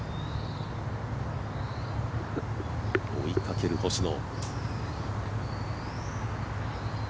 追いかける星野。